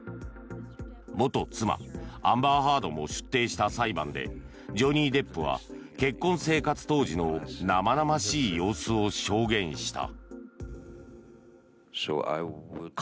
元妻、アンバー・ハードも出廷した裁判でジョニー・デップは結婚生活当時の生々しい様子を証言した。